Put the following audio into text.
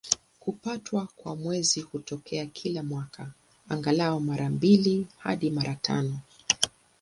Kupatwa kwa Mwezi hutokea kila mwaka, angalau mara mbili hadi mara tano.